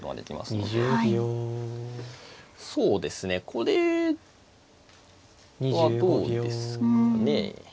これはどうですかね。